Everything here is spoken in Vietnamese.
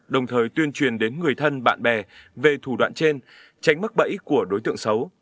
đồng thời tuyên truyền đến người thân bạn bè về thủ đoạn trên tránh mắc bẫy của đối tượng xấu